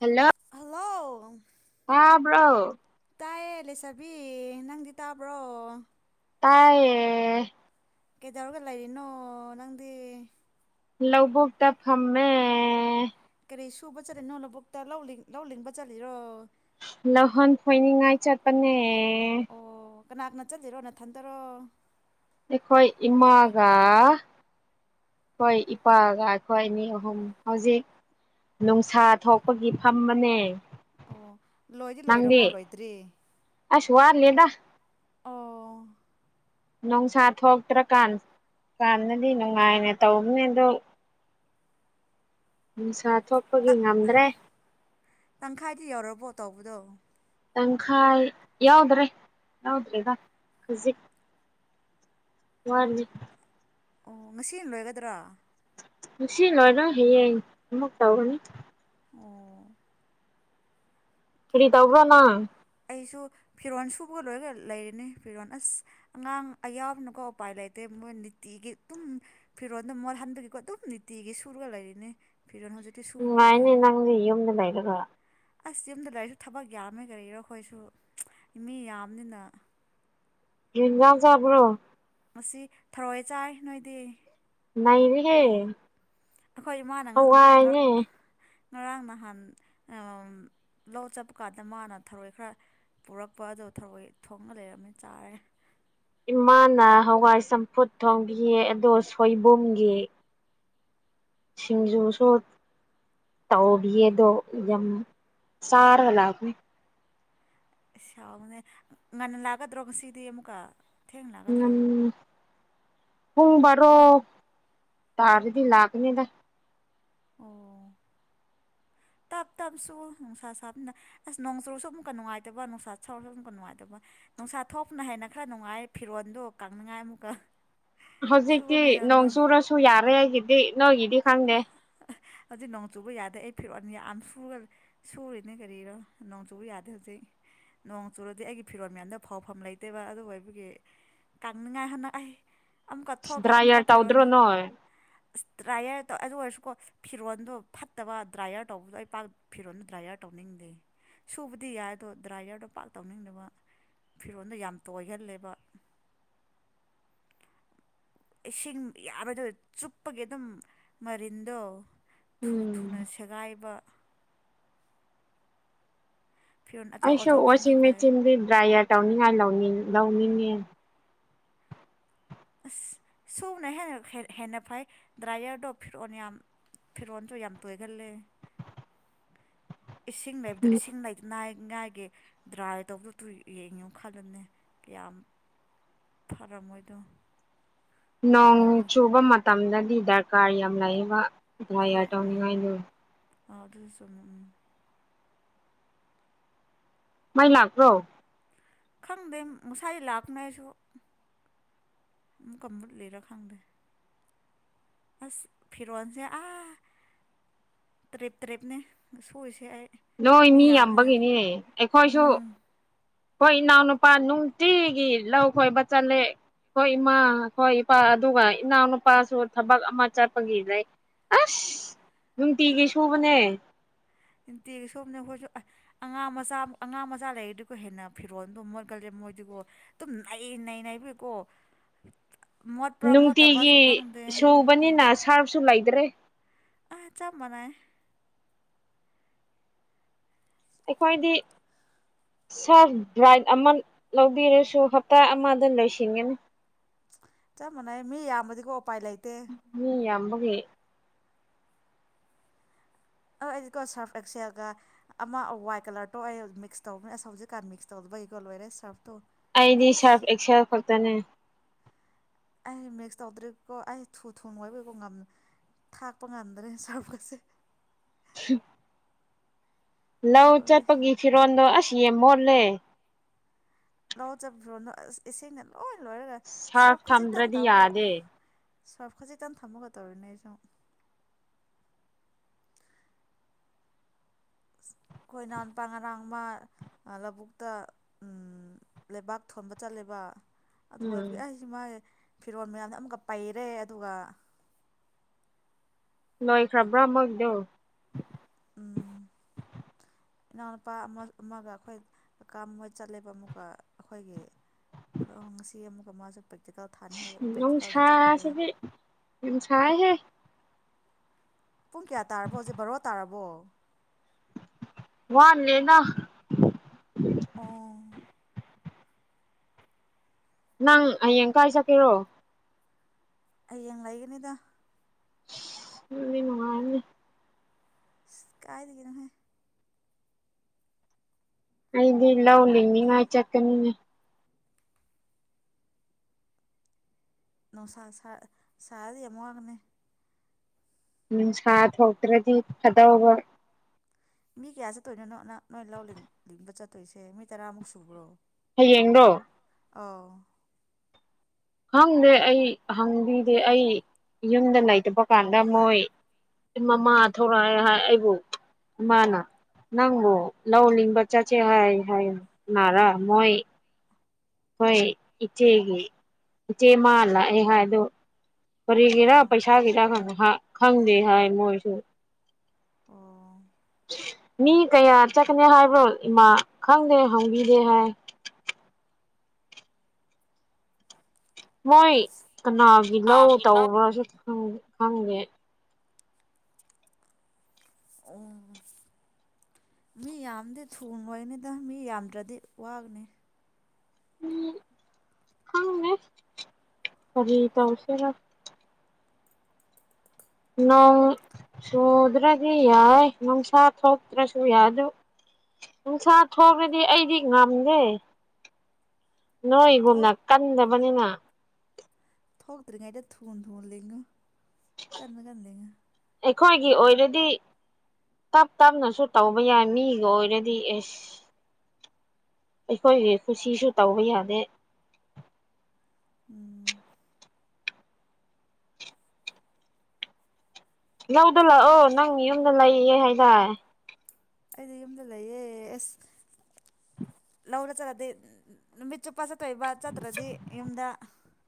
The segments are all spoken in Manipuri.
ꯍꯜꯂꯣ ꯍꯜꯂꯣ ꯍꯥꯕ꯭ꯔꯣ ꯇꯥꯏꯌꯦ ꯂꯩꯁꯥꯕꯤ ꯅꯪꯗꯤ ꯇꯥꯕ꯭ꯔꯣ ꯇꯥꯏꯌꯦ ꯀꯩꯗꯧꯔꯒ ꯂꯩꯔꯤꯅꯣ ꯅꯪꯗꯤ ꯂꯧꯕꯣꯛꯇ ꯍꯃꯦ ꯀ ꯁꯨꯕ ꯆꯠ ꯅꯣ ꯂꯧꯕꯣꯛꯇ ꯂꯧ ꯂꯕ ꯆꯠꯂꯣ ꯂꯧꯍꯣꯟ ꯈꯣꯏꯅꯤꯡꯉꯥꯏ ꯆꯠꯄꯅꯦ ꯀꯅꯥꯒꯅ ꯆꯠꯁꯤꯔꯣ ꯅꯊꯟꯗꯔꯣ ꯑꯩꯈꯣꯏ ꯏꯃꯥꯒ ꯍꯣꯏ ꯏꯄꯥꯒ ꯑꯩꯈꯣꯏ ꯃꯤ ꯑꯍꯨꯝ ꯍꯧꯖꯤꯛ ꯅꯨꯡꯁꯥ ꯊꯣꯛꯄꯒꯤ ꯐꯝꯕꯅꯦ ꯑꯣ ꯂꯣꯏꯗꯤ ꯂꯣꯏꯔꯕꯣ ꯂꯣꯏꯗ꯭ꯔꯤ ꯑ ꯁꯨꯍꯔꯅꯤꯗ ꯑꯣ ꯅꯨꯡꯁꯥ ꯊꯣꯛꯇ꯭ꯔꯀꯥꯟ ꯀꯥꯟꯗꯗꯤ ꯅꯨꯡꯉꯥꯏꯅ ꯇꯧꯅꯦ ꯑꯗꯨ ꯅꯤꯁꯥ ꯊꯣꯛꯄꯒꯤ ꯉꯝꯗ꯭ꯔꯦ ꯇꯪꯈꯥꯏꯗꯤ ꯌꯧꯔꯕꯣ ꯇꯧꯕꯗꯣ ꯇꯪꯈꯥꯏ ꯌꯥꯎꯗ꯭ꯔꯦ ꯌꯥꯎꯗ꯭ꯔꯦꯕ ꯈꯖꯤꯛ ꯋꯥꯅꯤ ꯑꯣ ꯉꯁꯤ ꯂꯣꯏꯒꯗ꯭ꯔꯥ ꯁꯤ ꯂꯣꯏꯅꯣ ꯍꯌꯦ ꯑꯃꯨꯛ ꯇꯧꯧꯕꯅꯤ ꯑꯣ ꯏꯗꯤ ꯇꯧ꯭ꯔꯅ ꯑꯩꯁꯨ ꯐꯤꯔꯣꯜ ꯁꯨꯕꯒ ꯂꯣꯏꯒ ꯂꯩꯔꯤꯅꯤ ꯐꯤꯔꯣꯜ ꯑꯁ ꯑꯉꯥꯡ ꯑꯌꯥꯎꯕꯅꯨꯀꯣ ꯎꯄꯥꯏ ꯂꯩ ꯦ ꯃꯣꯏ ꯅꯤꯇꯤꯒꯤ ꯑꯗꯨꯝ ꯐꯤꯔꯣꯟꯜꯗꯝ ꯃꯣꯜꯍꯟꯕꯒꯤꯀꯣ ꯑꯗꯨꯝ ꯅꯤꯇꯤꯒꯤ ꯁꯨꯔꯒ ꯂꯩꯔꯤꯅꯤ ꯐꯤꯔꯣꯜ ꯍꯧꯖꯤꯛꯇꯤ ꯁꯨꯕ ꯂꯣꯏꯔꯦ ꯎꯝꯥꯏꯅꯦ ꯅꯪꯗꯤ ꯌꯨꯝꯗ ꯂꯩꯔ ꯑꯁ ꯌꯨꯝꯗ ꯂꯥꯏꯔꯤꯛꯁꯨ ꯊꯕꯛ ꯌꯥꯝꯃꯦ ꯀꯔꯤꯔꯣ ꯑꯩꯈꯣꯏꯁꯨ ꯃꯤ ꯌꯥꯝꯅꯤꯅ ꯔꯤꯒꯥ ꯆꯕ꯭ꯔꯣ ꯑꯁꯤ ꯊꯧꯔꯣꯏꯏ ꯆꯥꯏ ꯅꯣꯏꯗꯤ ꯅꯔꯤꯍꯦ ꯑꯩꯈꯣꯏ ꯏꯃꯥꯅ ꯉꯔꯥꯡ ꯅꯍꯥꯟ ꯂꯧ ꯆꯠꯄ ꯀꯥꯟꯗ ꯃꯥꯅ ꯊꯔꯣꯏ ꯈꯔ ꯄꯨꯔꯛꯄ ꯑꯗ ꯊ ꯊꯣꯡꯉ ꯂꯩꯔꯝꯃꯤ ꯆꯥꯔꯦ ꯏꯃꯥꯅ ꯍꯋꯥꯏ ꯆꯝꯐꯨꯠ ꯊꯣꯡꯕꯤꯌꯦ ꯑꯗꯣ ꯁꯣꯏꯕꯨꯝꯒꯤ ꯁꯤꯡꯖꯨ ꯁꯣꯠ ꯇꯥꯎꯕꯤꯌꯦꯗꯣ ꯌꯥꯝ ꯆꯔ ꯍꯂꯥꯛꯒꯅꯦ ꯑ ꯁꯥꯎꯕꯅꯦ ꯉꯟꯅ ꯂꯥꯛꯒꯗ꯭ꯔꯣ ꯉꯁꯤꯗꯤ ꯑꯃꯨꯛꯀ ꯊꯦꯡꯅ ꯂꯥꯛꯒꯗ꯭ꯔꯣ ꯎꯝ ꯄꯨꯡ ꯕꯥꯔꯣ ꯇꯥꯔꯗꯤ ꯂꯥꯛꯀꯅꯤꯗ ꯑꯣ [unintelligible] ꯇꯁꯨ ꯅꯨꯡꯁꯥ ꯁꯥꯕꯅꯤꯅ ꯑꯁ ꯅꯣꯡꯆꯨꯁꯨ ꯑꯃꯨꯛꯀ ꯉꯥꯏꯕ ꯅꯨꯡꯁꯥ ꯁꯥꯎꯔꯁꯨ ꯑꯃꯛꯀ ꯅꯨꯡꯉꯥꯏꯕ ꯅꯨꯡꯁꯥ ꯆꯥꯊꯣꯛꯅ ꯍ ꯍꯥꯏꯅ ꯈꯔ ꯅꯨꯡꯉꯥꯏ ꯐꯤꯔꯣꯜꯗꯨ ꯀꯪꯅꯤꯡꯉꯥꯏ ꯑꯃꯨꯛꯀ ꯁꯨꯕ ꯍꯧꯖꯤꯛꯇꯤ ꯃꯌꯥꯝꯗꯣ ꯅꯣꯡ ꯆꯨꯔꯁꯨ ꯌꯥꯔꯦ ꯑꯩꯒꯤꯗꯤ ꯅꯣꯏꯒꯤꯗꯤ ꯈꯪꯗꯦ ꯍꯧꯖꯤꯛ ꯅꯣꯡ ꯆꯨꯕ ꯌꯥꯗꯦ ꯑꯩ ꯐꯤꯔꯋꯥꯅꯤ ꯌꯥꯝ ꯁꯨꯔ ꯁꯨꯔꯤꯅꯦ ꯀꯔꯤꯔꯣ ꯅꯣꯡ ꯆꯨꯕ ꯌꯥꯗꯦ ꯍꯧꯖꯤꯛ ꯅꯣꯡ ꯆꯨꯔꯗꯤ ꯑꯩꯒꯤ ꯐꯤꯔꯣꯜ ꯃꯌꯥꯝꯗ ꯐꯥꯎꯐꯝ ꯂꯩꯇꯦꯕ ꯑꯗꯨꯕꯨ ꯑꯩꯕꯒꯤ ꯇꯥꯡꯅꯉꯥꯏ ꯍꯅꯥꯏ ꯗ꯭ꯔꯥꯏꯔ ꯇꯥꯎꯗ꯭ꯔꯣ ꯅꯣꯣꯏ ꯗ꯭ꯔꯥꯏꯌꯔꯧ ꯑꯗꯨ ꯑꯣꯏꯔꯁꯨꯀꯣ ꯐꯤꯔꯣꯜꯗꯣ ꯐꯠꯇꯕ ꯗ꯭ꯔꯥꯏꯌꯔ ꯇꯧꯕꯗꯣ ꯑꯩ ꯄꯥꯛ ꯐꯤꯔꯣꯟꯜꯗꯣ ꯗ꯭ꯔꯥꯏꯌꯔ ꯇꯧꯅꯤꯡꯗꯦ ꯑ ꯁꯨꯕꯗꯤ ꯌꯥꯏ ꯑꯗꯣ ꯗ꯭ꯔꯥꯏꯌꯔꯗꯣ ꯄꯥꯛ ꯇꯧꯅꯤꯡꯗꯕ ꯐꯤꯔꯣꯜꯗꯣ ꯌꯥꯝ ꯇꯣꯏꯍꯜꯂꯦꯕ ꯏꯁꯤꯡ ꯌꯥꯝꯔꯗ ꯆꯨꯞꯄꯒꯤ ꯑꯗꯨꯝ ꯃꯔꯤꯟꯗꯣ ꯊꯨ ꯎꯝ ꯊꯨꯅ ꯁꯦꯒꯥꯏꯕ ꯐꯤꯔꯣꯟ ꯑꯆꯧ ꯑꯩꯁꯨ ꯑꯆꯧꯕꯁꯤꯡꯗꯤ ꯋꯥꯁꯤꯡ ꯐꯩ ꯃꯦꯆꯤꯟꯗꯤ ꯗ꯭ꯔꯥꯏꯌꯔ ꯇꯧꯅꯤꯡꯉꯥꯏ ꯂꯧꯅꯤꯡ ꯂꯧꯅꯤꯡꯉꯦ ꯑꯁ ꯁꯨꯅ ꯍꯦꯟꯅ ꯐꯩ ꯗ꯭ꯔꯥꯏꯌꯔꯗꯣ ꯐꯤꯔꯛꯑꯣꯅ ꯌꯥꯝ ꯐꯤꯔꯣꯟꯁꯨ ꯌꯥꯝ ꯇꯣꯏꯒꯜꯂꯦ [inaudible] ꯏꯁꯤꯡ ꯂꯩꯕꯗ ꯎꯝ ꯏꯁꯤꯡ ꯂꯩ ꯏ ꯉꯥꯏꯒꯤꯦ ꯗ꯭ꯔꯥꯏ ꯇꯧꯗ ꯌꯦꯡꯉꯨ ꯈꯜꯂꯅꯦ ꯀꯌꯥꯝ ꯐꯔ ꯃꯣꯏꯗ ꯅꯣꯡ ꯆꯨꯕ ꯃꯇꯝꯗꯗꯤ ꯗꯔꯀꯥꯔ ꯌꯥꯝ ꯂꯩꯌꯦꯕ ꯏ ꯊꯥꯏ ꯌꯥꯔ ꯇꯥꯎꯅꯤꯉꯥꯏꯅꯣ ꯗ꯭ꯔ ꯁ ꯎꯝ ꯃꯥꯏ ꯂꯥꯛꯄ꯭ꯔꯣ ꯈꯪꯗꯦ ꯃꯁꯥꯏ ꯂꯥꯞꯅꯁꯨ ꯃꯨꯛ ꯀꯝꯕ ꯂꯩꯔ ꯈꯪꯗꯦ ꯑꯁ ꯐꯤꯔꯣꯟꯜꯁꯦ ꯑꯥ ꯇ꯭ꯔꯦꯞ ꯇ꯭ꯔꯦꯞꯅꯦ ꯁꯣꯏꯏꯁꯦ ꯑꯩ ꯅꯣꯏ ꯃꯤ ꯌꯥꯝꯕꯒꯤꯅꯦ ꯑꯩꯈꯣꯏꯁꯨ ꯎꯝ ꯍꯣꯏ ꯏꯅꯥꯎꯅꯨꯄꯥ ꯅꯨꯡꯇꯤꯒꯤ ꯂꯧ ꯈꯣꯏꯕ ꯆꯠꯂꯦ ꯑꯩꯈꯣꯏ ꯏꯃꯥ ꯑꯩꯈꯣꯏ ꯏꯄꯥ ꯑꯗꯨꯒ ꯏꯅꯥꯎꯅꯨꯄꯥꯁꯨ ꯊꯕꯛ ꯑꯃ ꯆꯠꯄꯒꯤ ꯂꯩ ꯑꯁ ꯅꯨꯡꯇꯤꯈꯩ ꯁꯨꯕꯅꯦ ꯇꯦꯛꯒꯤ ꯁꯣꯝꯅ ꯑꯩꯈꯣꯏꯁꯨ ꯑ ꯑꯉꯥꯡ ꯃꯆꯥ ꯑꯉꯥꯡ ꯃꯆꯥ ꯂꯩꯔꯤꯗꯨꯀ ꯍꯦꯟꯅ ꯐꯤꯔꯣꯜꯗ ꯃꯣꯠꯀꯜꯂꯦ ꯃꯣꯏ ꯣ ꯑꯗꯨꯝ ꯅꯩ ꯅꯩꯩꯕꯏꯀꯣ ꯅꯨꯡꯇꯤꯒꯤ ꯁꯨꯕꯅꯤꯅ ꯁꯥꯔꯕꯁꯨ ꯂꯩꯇ꯭ꯔꯦ ꯑ ꯆꯞ ꯃꯅꯏ ꯑꯩꯈꯣꯏꯗꯤ ꯁꯥꯔ ꯚ꯭ꯔꯥꯏꯠ ꯑꯃ ꯂꯧꯕꯤꯔꯁꯨ ꯍꯞꯇꯥ ꯑꯃꯗ ꯂꯣꯏꯁꯤꯟꯒꯅꯤ ꯆꯞ ꯃꯥꯟꯅꯩ ꯃꯤ ꯌꯥꯝꯕꯗꯤꯀꯣ ꯎꯄꯥꯏ ꯂꯩꯇꯦ ꯑꯣꯦ ꯑ ꯑꯩꯗꯤꯀꯣ ꯁꯥꯔꯐ ꯑꯦꯛꯁꯦꯜꯒ ꯑꯃ ꯋꯥꯏꯠ ꯀꯂꯔꯗꯣ ꯑꯩ ꯃꯤꯛꯁ ꯇꯧꯕꯅꯦ ꯑꯁ ꯍꯧꯖꯤꯛꯀꯥꯟ ꯃꯤꯛꯁ ꯇꯧ ꯕꯒꯣꯜ ꯑꯣꯏꯔꯦ ꯁꯞ ꯑꯩꯗꯤ ꯁꯥꯔꯐ ꯑꯦꯁꯥ ꯈꯇꯅꯦ ꯑꯩ ꯃꯤꯛꯁ ꯇꯧꯗ꯭ꯔꯤꯀꯣ ꯑꯩ ꯊꯨ ꯊꯨ ꯑꯣꯏꯕꯒꯤꯀꯣ ꯉꯝ ꯊꯥꯛꯄ ꯉꯝꯗ꯭ꯔꯦ ꯁꯥꯔꯄꯁꯦ ꯁꯤ ꯂꯧ ꯂꯣꯏꯔꯦ ꯆꯠꯄꯒꯤ ꯐꯤꯔꯣꯟꯜꯗꯣ ꯑꯁ ꯌꯥꯝ ꯃꯣꯠꯂꯦ ꯂꯑꯣ ꯆꯣꯟꯣꯦ ꯉ ꯁꯥꯔꯐ ꯊꯝꯗ꯭ꯔꯗꯤ ꯌꯥꯗꯦ ꯁ꯭ꯋꯥꯞ ꯈꯖꯤꯛꯇꯪ ꯊꯝꯃꯒ ꯇꯧꯔꯤꯅꯦ ꯑꯩꯁꯨ ꯑꯩꯣꯏꯅꯥꯟꯄꯥ ꯉꯔꯥꯡ ꯑꯃ ꯂꯧꯕꯨꯛꯇ ꯂꯩꯕꯥꯛ ꯊꯣꯟꯕ ꯆꯠꯂꯦꯕ ꯑꯗꯨ ꯎꯝ ꯑꯣꯏꯕꯒꯤ ꯑꯩꯁꯤ ꯃꯥꯒꯤ ꯐꯤꯔꯣꯜ ꯃꯌꯥꯝꯗ ꯑꯃꯨꯛꯀ ꯄꯩꯔꯦ ꯑꯗꯨꯒ ꯂꯣꯏꯈ꯭ꯔꯕ꯭ꯔꯥ ꯃꯣꯏꯗꯣ ꯎꯝ ꯏꯅꯥꯎꯅꯨꯄꯥ ꯑꯃ ꯑꯃꯒ ꯑꯩꯈꯣꯏ ꯀꯀꯥ ꯃꯣꯏ ꯆꯠꯂꯦꯕ ꯑꯃꯨꯛꯀ ꯑꯩꯈꯣꯏꯒꯤ ꯑꯣ ꯁꯤ ꯑꯦꯦꯝ ꯀ ꯃꯥꯁꯨ ꯄ ꯅꯅꯨꯡꯁꯥꯏꯁꯤꯗꯤꯝ ꯁꯥꯏꯍꯦ ꯄꯨꯡ ꯀꯌꯥ ꯇꯥꯔꯕꯣ ꯍꯧꯖꯤꯛ ꯕꯣꯔꯣ ꯇꯥꯔꯕꯣ ꯃꯥꯥꯟꯂꯅ ꯑꯣ ꯅꯪ ꯍꯌꯦꯡ ꯀꯥꯏ ꯆꯠꯀꯦꯔꯣ ꯍꯌꯦꯡ ꯂꯩꯒꯅꯤꯗ ꯎꯅꯤ ꯃꯅꯨꯡꯃꯔꯅꯦ ꯀꯥꯏꯗꯒꯦꯅꯍꯦ ꯗꯤ ꯏ ꯂ ꯎ ꯂꯩꯅꯤꯥꯏ ꯆꯀꯅꯤꯅꯦ ꯅꯧ ꯁ ꯁ ꯁꯔꯗ ꯃꯣ ꯀ ꯅꯨꯡꯁꯥ ꯊꯣꯛꯇ꯭ꯔꯗꯤ ꯐꯗꯧꯕ ꯃꯤ ꯀꯌꯥ ꯆꯠꯇꯣꯏꯅꯣꯅꯣ ꯅ ꯅꯣꯏ ꯂꯧ ꯂꯤꯡꯕ ꯆꯠꯇꯣꯏꯁꯦ ꯃꯤ ꯇꯔꯥꯃꯨꯛ ꯁꯨꯕ꯭ꯔꯣ ꯍꯌꯦꯡꯔꯣ ꯑ ꯍꯪꯗꯦ ꯑꯩ ꯍꯪꯕꯤꯗꯦ ꯑꯩ ꯌꯨꯝꯗ ꯂꯩꯇꯕ ꯀꯥꯟꯗ ꯃꯣꯏ ꯃꯃꯥ ꯊꯧꯔꯛꯑꯦ ꯍꯥꯏ ꯑꯩꯕꯨ ꯏꯃꯥꯅ ꯅꯪꯕꯨ ꯂꯧꯅꯤꯡꯕ ꯆꯠꯁꯦ ꯍꯥꯏ ꯍꯥꯏ ꯅꯥꯔꯥ ꯃꯣꯏ ꯍꯣꯏ ꯏꯆꯦꯒꯤ ꯏꯆꯦ ꯃꯥ ꯂꯥꯛꯑꯦ ꯍꯥꯏꯗꯣ ꯀꯔꯤꯒꯤꯔ ꯑꯣ ꯄꯩꯁꯥꯒꯤꯔ ꯈꯪꯗꯦ ꯍꯥꯏ ꯃꯣꯏꯁꯨ ꯑꯣ ꯃꯤ ꯀꯌꯥ ꯆꯠꯀꯅꯤ ꯍꯥꯏꯕ꯭ꯔꯣ ꯏꯃꯥ ꯈꯪꯗꯦ ꯍꯪꯕꯤꯗꯦ ꯍꯥꯏ ꯃꯣꯏ ꯀꯅꯥꯒꯤ ꯂꯧ ꯑꯣ ꯇꯧꯕ꯭ꯔꯥꯁꯨ ꯈꯪꯗꯦ ꯑꯣ ꯃꯤ ꯌꯥꯝꯗꯤ ꯊꯨꯉꯣꯏꯅꯤꯗ ꯃꯤ ꯌꯥꯝꯗ꯭ꯔꯗꯤ ꯋꯥꯅꯤ ꯎꯝꯪꯅꯦ ꯐꯔꯤ ꯇ ꯍꯧꯁꯦꯒ ꯅꯪ ꯁꯨꯗ꯭ꯔꯗꯤ ꯌꯥꯏ ꯅꯨꯡꯁꯥ ꯊꯣꯛꯇ꯭ꯔꯁꯨ ꯌꯥꯗ ꯅꯨꯡꯁꯥ ꯊꯕꯗꯤ ꯑꯩꯗꯤ ꯉꯝꯗꯦ ꯅꯣꯏꯒꯨꯝꯅ ꯀꯟꯗꯕꯅꯤꯅ ꯊꯣꯛꯣꯛꯇ꯭ꯔꯔꯤꯉ ꯑꯩꯗ ꯊꯣꯡꯣꯟ ꯊꯣꯡꯅ ꯂꯉꯣ ꯀ ꯀꯗꯉ ꯑꯩꯈꯣꯏꯒꯤ ꯑꯣꯏꯅꯗꯤ ꯇꯞ ꯇꯞꯅꯁꯨ ꯇꯧꯕ ꯌꯥꯏ ꯃꯤꯒ ꯑꯣꯏꯔꯗꯤ ꯑꯦꯁ ꯑꯩꯈꯣꯏꯒꯤ ꯈꯨꯁꯤꯁꯨ ꯇꯧꯕ ꯌꯥꯗꯦ ꯎꯝ ꯅꯧꯗ ꯂꯥꯛꯑꯣ ꯅꯪ ꯌꯨꯝꯗ ꯂꯩꯌꯦ ꯍꯥꯏꯇꯥꯔꯦ ꯑꯩꯗꯤ ꯌꯨꯝꯗ ꯂꯩꯌꯦ ꯑꯁ ꯂꯧꯔ ꯆꯠꯂꯗꯤ ꯅꯨꯃꯤꯠ ꯆꯨꯞꯄ ꯆꯠꯇꯣꯏꯕ ꯆꯠꯇ꯭ꯔꯗꯤ ꯌꯨꯝꯗ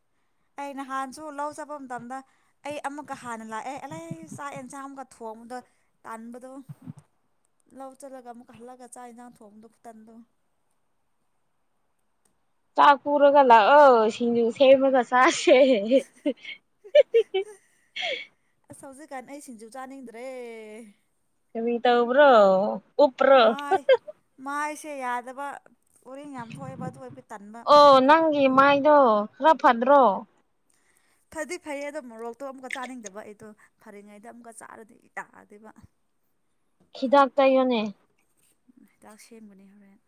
[inaudible] ꯑꯩ ꯅꯍꯥꯟꯁꯨ ꯂꯧ ꯆꯠꯄ ꯃꯇꯝꯗ ꯑꯩ ꯑꯃꯨꯛꯀ ꯍꯥꯟꯅ ꯂꯥꯛꯑꯦ ꯑꯦꯂ ꯆꯥꯛ ꯌꯦꯟꯁꯥꯡ ꯑꯃꯛꯀ ꯊꯣꯡꯉꯗ ꯇꯥꯟꯕꯗꯣ ꯂꯧ ꯆꯠꯂꯒ ꯑꯃꯨꯛ ꯍꯜꯂꯒ ꯆꯥꯛ ꯌꯦꯟꯁꯥꯡ ꯊꯣꯡꯕꯗꯣ ꯈꯨꯇꯟꯗꯣ ꯆꯥ ꯀꯔꯒꯂ ꯑ ꯁꯤꯖ ꯁꯦꯃꯒ ꯆ ꯍ ꯀꯟ ꯑꯩ ꯁꯤꯡꯖꯨ ꯆꯥꯅꯤꯡꯗ꯭ꯔꯦ ꯀꯕꯤꯇꯥ ꯎꯕ꯭ꯔꯣ ꯎ꯭ꯔꯣ ꯁꯦ ꯌꯥꯗꯕ ꯎꯔꯡ ꯌꯥꯝ ꯊꯣꯛꯑꯦꯕ ꯑꯗꯨ ꯑꯣꯏꯕꯒꯤ ꯇꯟꯕ ꯗꯣ ꯔ ꯐꯟ꯭ꯔꯣ ꯐꯗꯤ ꯐꯩꯌꯦ ꯑꯗꯣ ꯃꯣꯔꯣꯛꯇꯣ ꯑꯃꯨꯛꯀ ꯆꯥꯅꯤꯡꯗꯕ ꯑꯩꯗꯣ ꯐꯔꯤꯉꯩꯗ ꯑꯃꯨꯛꯀ ꯆꯥꯔꯗꯤ ꯌꯥꯔꯗꯦꯕ ꯈꯤꯗꯥꯥꯛ ꯇꯥꯏꯌꯣꯅꯦ ꯍꯤꯗꯥꯛ ꯁꯦꯝꯒꯅꯤ ꯍꯣꯔꯦꯟ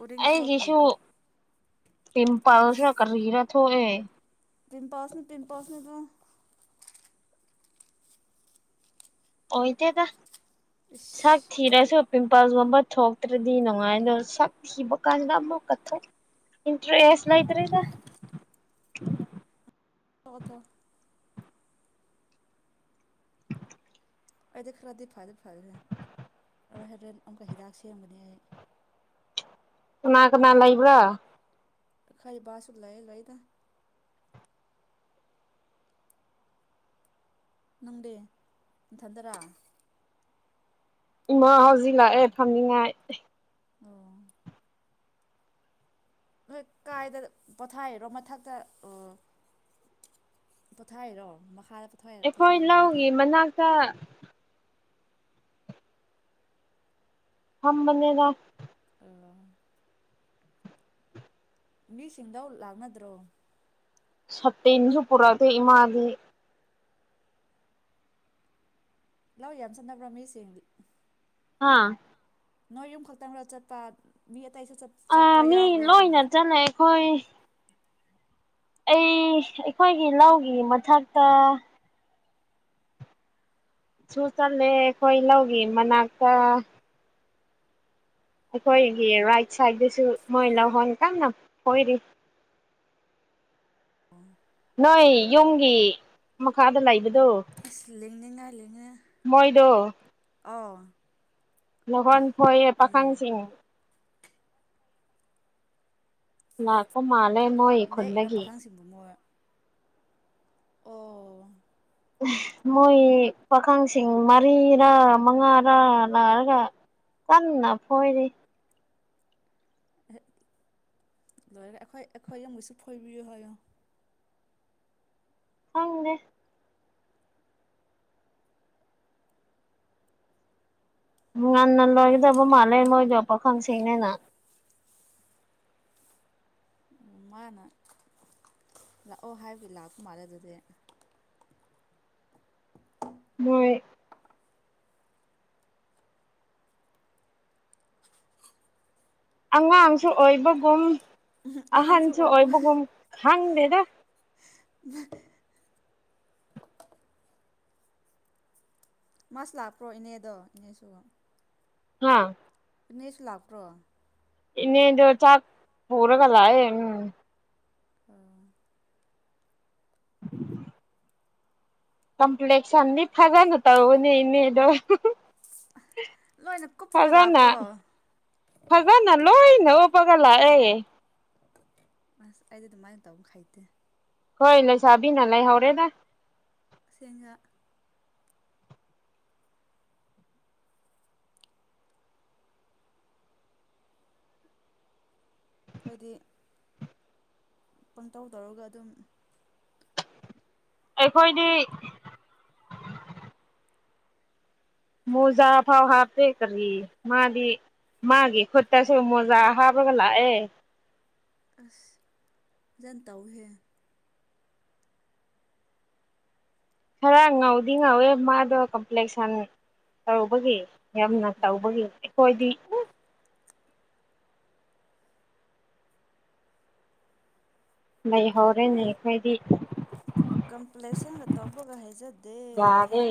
ꯎꯔꯤꯡ ꯑꯩꯒꯤꯁꯨ ꯊꯣꯛꯄꯒꯤꯀꯣ ꯄꯤꯝꯄꯜꯁꯨ ꯀꯔꯤꯔ ꯊꯣꯛꯑꯦ ꯄꯤꯟ ꯄꯥꯁꯅꯦ ꯄꯝ ꯄꯥꯁꯅꯦ ꯑꯣ ꯏꯠꯇꯗ ꯁꯥꯛ ꯏꯁ ꯊꯔꯦꯁꯨꯣ ꯄ ꯄꯥ ꯋꯥꯝꯕ ꯊꯣꯛꯇ꯭ꯔꯗꯤ ꯅꯨꯡꯉꯥꯏꯅ ꯁ ꯊꯕ ꯀꯥꯟꯗ ꯑꯃ ꯀꯊꯣꯛ ꯏꯟꯇꯔꯁ ꯂ ꯏꯇꯔꯔꯤꯗ ꯊ ꯑꯩꯗꯤ ꯈꯔꯗꯤ ꯐꯗꯤꯦ ꯐꯗꯦ ꯑ ꯍꯣꯔꯦꯟ ꯑꯃꯨꯛꯀ ꯍꯤꯗꯥꯛ ꯁꯦꯝꯕꯅꯤ ꯑꯩ ꯀꯅꯥ ꯀꯅꯥ ꯂꯩꯕ꯭ꯔꯣ ꯈꯩ ꯕꯥꯁꯨ ꯂꯩꯑ ꯂꯩꯗ ꯅꯪꯗꯤ ꯊꯗꯔꯥ ꯏꯃꯥ ꯍꯧꯖꯤꯛ ꯂꯥꯛꯑꯦ ꯐꯝꯅꯤꯉꯥꯏ ꯑꯣ ꯍꯣꯏ ꯀꯥꯏꯗ ꯄꯣꯊꯥꯏꯔꯣ ꯃꯊꯛꯇ ꯑꯣ ꯄꯣꯊꯥꯏꯔꯣ ꯃꯈꯥ ꯑꯩꯈꯣꯏ ꯂꯧꯒꯤ ꯃꯅꯥꯛꯇ ꯑꯝꯕꯅꯦꯗ ꯑꯣ ꯃꯤꯁꯤꯡꯗ ꯂꯥꯛꯅꯗ꯭ꯔꯣ ꯁꯠꯇꯅꯁꯨ ꯄꯨꯔꯛꯑꯗꯦ ꯏꯃꯥꯗꯤ ꯂꯥꯛ ꯌꯥꯝ ꯆꯟꯅꯅꯕ꯭ꯔꯥ ꯃꯤꯁ ꯑꯥ ꯅꯣꯏ ꯌꯨꯝ ꯈꯛꯇꯪ ꯈ ꯆꯠꯄ ꯃꯤ ꯑꯇꯩꯁꯨ ꯆꯠ ꯑ ꯆꯠꯄ ꯃꯤ ꯌꯥꯎꯕ꯭ꯔꯣ ꯑꯣ ꯂꯣꯏꯅ ꯆꯠꯂꯦ ꯑꯩꯈꯣꯏ ꯑꯩ ꯑꯩꯈꯣꯏꯒꯤ ꯂꯧꯒꯤ ꯃꯊꯛꯇ ꯁꯨ ꯆꯜꯂꯦ ꯑꯩꯣꯏ ꯂꯧꯒꯦ ꯃꯅꯥꯛꯇ ꯑꯩꯈꯣꯏꯒꯤ ꯔꯥꯏꯠ ꯁꯥꯏꯗꯁꯨ ꯃꯣꯏ ꯂꯧꯍꯣꯟ ꯀꯅ ꯍꯣꯏꯔꯤ ꯑꯣ ꯅꯣꯏ ꯌꯨꯝꯒꯤ ꯃꯈꯥꯗ ꯂꯩꯕꯗꯤ ꯑ ꯂꯦꯡꯅꯤꯡꯉ ꯂꯦꯡꯉ ꯑꯥꯎ ꯂꯍꯣꯟ ꯐꯣꯏꯌꯦ ꯎꯝ ꯄꯥꯈꯪꯁꯤꯡ ꯂꯅꯥꯀꯣ ꯃꯥꯅ ꯅꯦꯛ ꯏꯔꯣ ꯄꯥꯈꯪꯁꯤꯡꯕꯨ ꯃꯣꯏ ꯑꯣ ꯃꯣꯏ ꯄꯥꯈꯪꯁꯤꯡ ꯃꯔꯤꯔꯥ ꯃꯉꯥꯔꯥ ꯂꯅꯥꯔꯒ ꯀꯟꯅ ꯐꯣꯏꯔꯤꯦ ꯂꯣꯏꯔꯒ ꯑꯩꯈꯣꯏ ꯑꯩꯈꯣꯏ ꯑꯃꯁꯨ ꯐꯣꯏꯕꯤꯌꯨ ꯍꯥꯏꯌꯣ ꯐꯪꯅꯦ ꯎ ꯉꯟꯅ ꯂꯣꯏꯒꯗꯕ ꯃꯥꯜꯂꯦ ꯃꯣꯏ ꯌꯣꯄ ꯈꯪꯁꯤꯡꯅꯤꯅ ꯃꯥꯅ ꯂꯥꯛꯑꯣ ꯍꯥꯏꯕꯗꯤ ꯂꯥꯛꯄ ꯃꯥꯜꯂꯦ ꯑꯗꯨꯗꯤ ꯃꯣꯏ ꯑꯉꯥꯡꯁꯨ ꯑꯣꯏꯕꯒꯨꯝ ꯑꯍꯟꯁꯨ ꯑꯣꯏꯣꯏꯕꯕꯨꯝ ꯈꯪꯗꯦꯗ ꯦ [inaudible] ꯃꯥꯁ ꯂꯥꯛꯄ꯭ꯔꯣ ꯏꯅꯦꯗꯣ ꯏꯅꯦꯁꯨ ꯍꯥꯥ ꯅꯦꯁ ꯂꯥꯛꯄ꯭ꯔꯣ ꯏꯅꯦ ꯏꯗ ꯆꯥꯛ ꯐꯔꯒ ꯂꯑ ꯎꯝ ꯑ ꯎꯝ ꯀꯝꯄ꯭ꯂꯦꯛꯁꯟ ꯅ ꯊꯖ ꯅ ꯇꯧꯅꯦ ꯏꯅꯦꯗ ꯂꯣꯏꯅ ꯀꯨꯞꯄꯒ ꯐꯖꯅ ꯂꯥꯛꯄ꯭ꯔꯣ ꯐꯖꯅ ꯂꯣꯏꯅ ꯎꯞꯄꯒ ꯂꯥꯛꯑꯦ ꯑꯁ ꯑꯩꯗꯤ ꯑꯗꯨꯝ ꯃꯥꯏꯅ ꯇꯧ ꯈꯩꯗꯦ ꯍꯣꯏ ꯂꯩꯣꯏ ꯆꯥꯕꯤꯅ ꯂꯩ ꯍꯧꯔꯦꯗ ꯁꯦꯡꯒꯥ ꯑꯩꯈꯣꯏꯗꯤ ꯄꯪꯇꯧ ꯇꯧꯔꯒ ꯑꯗꯨꯝ ꯑꯩꯈꯣꯏꯗꯤ ꯃꯖꯐꯥꯎ ꯍꯥꯐꯇꯦꯔꯤ ꯃꯥꯗꯤ ꯃꯥꯒꯤꯦ ꯈꯠꯇꯁꯨ ꯃꯣꯖꯥ ꯍꯥꯕꯒ ꯂꯥꯛꯑꯦ ꯑꯁ ꯑꯣꯖꯟ ꯇꯧꯍꯦ ꯈꯔ ꯉꯧꯗꯤ ꯉꯧꯋꯦ ꯃꯥꯗꯣ ꯀꯝꯄ꯭ꯂꯦꯛꯁꯟ ꯇꯔꯧꯕꯒꯤ ꯌꯥꯝꯅ ꯎꯝ ꯇꯧꯕꯒꯤ ꯑꯩꯈꯣꯏꯗꯤ ꯎ ꯩ ꯍꯧꯔꯦ ꯅꯈꯩꯗꯤ ꯀꯝꯄ꯭ꯂꯦꯁꯟꯒ ꯇꯧꯕꯒ ꯍꯩꯖꯗꯦ ꯌꯥꯔꯦ